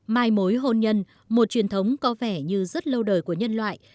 mai mối hôn nhân một truyền thống có vẻ như rất lâu đời của nhân loại